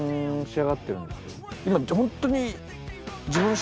ホントに。